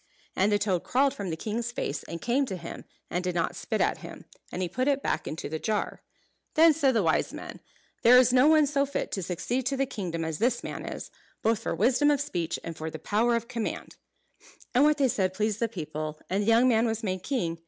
And the toad crawled from the king's face and came to him, and did not spit at him; and he put it back into the jar. Then said the wise men, "There is no one so fit to succeed to the kingdom as this man is; both for wisdom of speech and for the power of command." And what they said pleased the people; and the young man was made king.